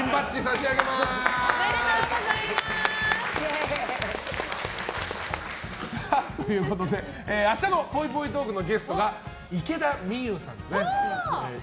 おめでとうございます！ということで、明日のぽいぽいトークのゲストが池田美優さんですね。